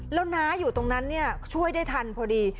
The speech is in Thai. แล้วน้าอยู่ตรงนั้นเนี่ยช่วยได้ทันพอดี